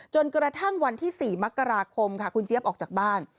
จนกระทั่งวันที่๔มกราคมค่ะคุณเจี๊ยบออกจากบ้าน